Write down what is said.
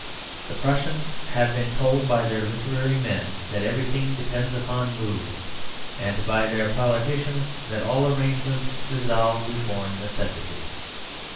The Prussians have been told by their literary men that everything depends upon Mood: and by their politicians that all arrangements dissolve before "necessity."